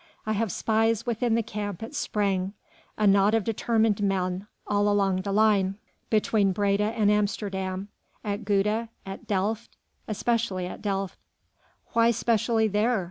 I have spies within the camp at Sprang, a knot of determined men all along the line between Breda and Amsterdam, at Gouda, at Delft ... especially at Delft." "Why specially there?"